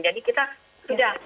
jadi kita sudah